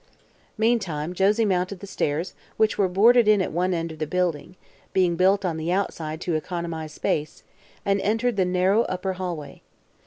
Meantime Josie mounted the stairs, which were boarded in at one end of the building, being built on the outside to economize space, and entered the narrow upper hallway.